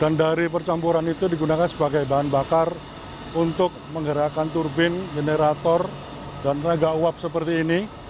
dan dari percampuran itu digunakan sebagai bahan bakar untuk menggerakkan turbin generator dan tenaga uap seperti ini